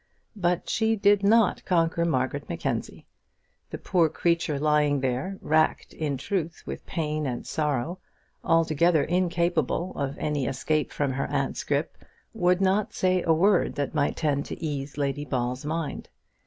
But she did not conquer Margaret Mackenzie. The poor creature lying there, racked, in truth, with pain and sorrow, altogether incapable of any escape from her aunt's gripe, would not say a word that might tend to ease Lady Ball's mind.